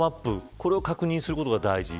これを確認することが大事。